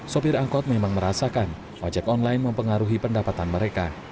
sopir angkot memang merasakan ojek online mempengaruhi pendapatan mereka